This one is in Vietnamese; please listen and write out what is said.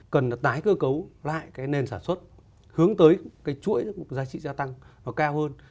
cần là tái cơ cấu lại cái nền sản xuất hướng tới cái chuỗi giá trị gia tăng nó cao hơn